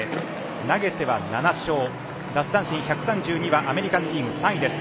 投げては７勝奪三振１３２はアメリカンリーグ３位です。